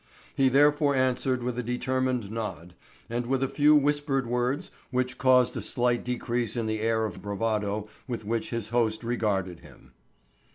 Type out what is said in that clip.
He therefore answered with a determined nod, and with a few whispered words which caused a slight decrease in the air of bravado with which his host regarded him.